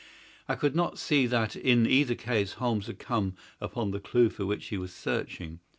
I could not see that in either case Holmes had come upon the clue for which he was searching.